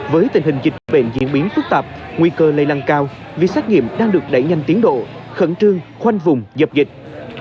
với tình hình dịch bệnh diễn biến phức tạp nguy cơ lây lan cao việc xét nghiệm đang được đẩy nhanh tiến độ khẩn trương khoanh vùng dập dịch